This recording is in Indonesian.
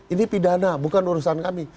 ini pidana bukan urusan kami